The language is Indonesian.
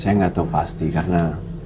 saya nggak tahu pasti karena